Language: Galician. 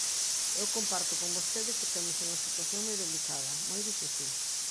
Eu comparto con vostede que temos unha situación moi delicada, moi difícil.